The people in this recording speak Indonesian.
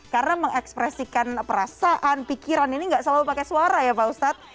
karena mengekspresikan perasaan pikiran ini nggak selalu pakai suara ya pak ustadz